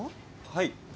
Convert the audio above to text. はい。